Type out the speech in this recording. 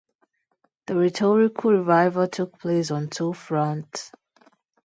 This rhetorical revival took place on two fronts.